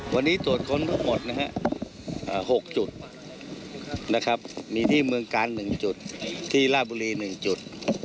วันนี้ตรวจค้นทั้งหมด๖จุดมีที่เมืองการ๑จุดที่ราชบุรี๑จุด